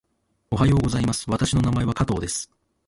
おはようございます。私の名前は加藤です。